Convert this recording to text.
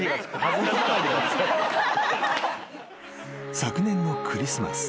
［昨年のクリスマス。